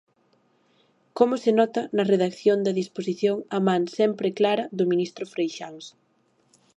Como se nota na redacción da disposición a man sempre clara do ministro Freixáns.